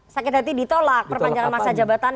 sakit hati ditolak perpanjangan masa jabatan